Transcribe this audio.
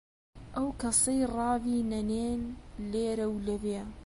ئەو کەسەی ڕاوی نەنێن لێرە و لەوێ،